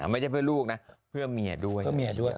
ไม่ใช่เพื่อลูกนะเพื่อเมียด้วย